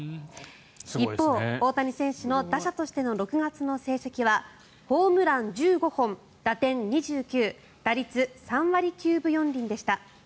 一方、大谷選手の打者としての６月の成績はホームラン１５本打点２９打率３割９分４厘でした。